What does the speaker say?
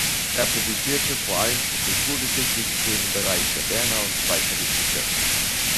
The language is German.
Er publizierte vor allem zu kulturgeschichtlichen Themen im Bereich der Berner und Schweizer Geschichte.